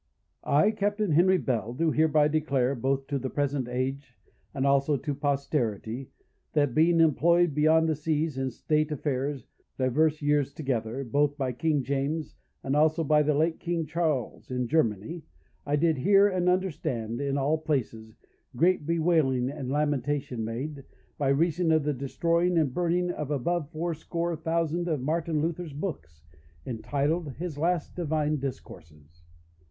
"I, CAPTAIN HENRY BELL, do hereby declare, both to the present age, and also to posterity, that being employed beyond the seas in state affairs divers years together, both by King James, and also by the late King Charles, in Germany, I did hear and understand, in all places, great bewailing and lamentation made, by reason of the destroying and burning of above fourscore thousand of Martin Luther's books, entitled His Last Divine Discourses.